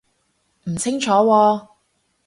唔清楚喎